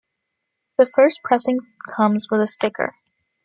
The first pressing comes with a sticker.